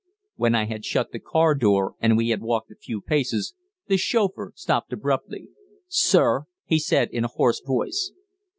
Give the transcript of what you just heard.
When I had shut the car door, and we had walked a few paces, the chauffeur stopped abruptly. "Sir," he said in a hoarse voice.